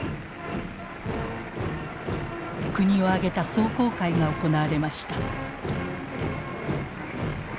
国を挙げた壮行会が行われました。